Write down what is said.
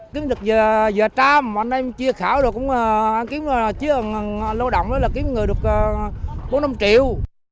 kiếm được giờ trăm anh em chia khảo rồi cũng kiếm lâu động là kiếm người được bốn năm triệu